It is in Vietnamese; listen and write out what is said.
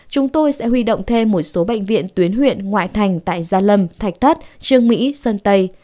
chúng tôi sẽ huy động thêm một số bệnh viện tuyến huyện ngoại thành tại gia lâm thạch thất trương mỹ sơn tây